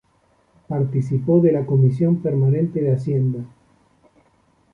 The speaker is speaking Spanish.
Participó de la comisión permanente de Hacienda.